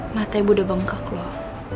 mata ibu udah bengkak loh